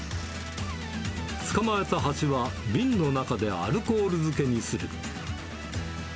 捕まえたハチは、瓶の中でアルコール漬けにする。